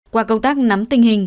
qua công tác nắm tình hình